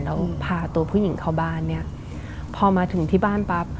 แล้วพาตัวผู้หญิงเข้าบ้านเนี่ยพอมาถึงที่บ้านปั๊บ